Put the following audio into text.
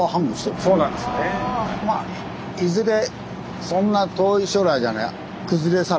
まあいずれそんな遠い将来じゃない崩れ去る。